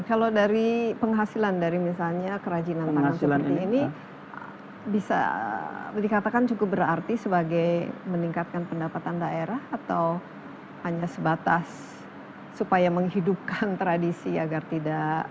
kalau dari penghasilan dari misalnya kerajinan tangan seperti ini bisa dikatakan cukup berarti sebagai meningkatkan pendapatan daerah atau hanya sebatas supaya menghidupkan tradisi agar tidak